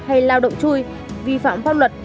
hay lao động chui vi phạm pháp luật